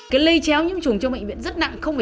cái lây chéo những chủng chống bệnh viện rất nặng